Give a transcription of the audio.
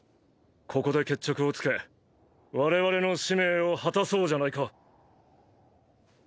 ここで決着をつけ我々の使命を果たそうじゃないか。